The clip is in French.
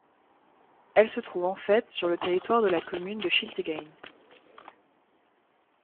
Elle se trouve en fait sur le territoire de la commune de Schiltigheim.